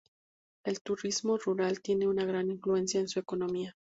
El turismo rural tiene una gran influencia en su economía.